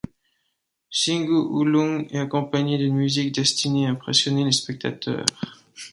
Singo ulung est accompagnée d'une musique destinée à impressionner les spectateurs.